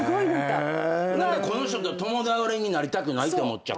この人と共倒れになりたくないって思っちゃったんだ。